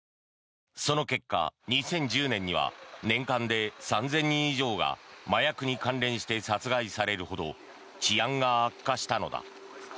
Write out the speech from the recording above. その結果、２０１０年には年間で３０００人以上が麻薬に関連して殺害されるほど治安が悪化したのだ。